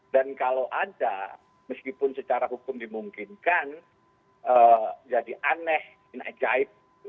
dan kalau ada meskipun secara hukum dimungkinkan jadi aneh inajaib